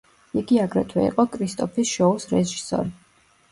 იგი აგრეთვე იყო კრისტოფის შოუს რეჟისორი.